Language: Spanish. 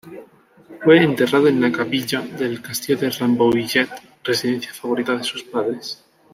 Fue enterrado en la capilla del Castillo de Rambouillet, residencia favorita de sus padres.